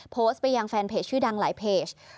โพสต์ไปยังแฟนเพจชื่อดังหลายเพจ